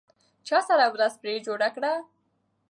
چا سره ورځ پرې جوړه کړه؟